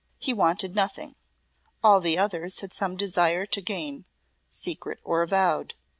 He wanted nothing; all the others had some desire to gain, secret or avowed.